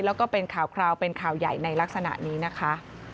แล้วก็เป็นข่าวคราวเป็นข่าวใหญ่ในลักษณะนี้นะคะ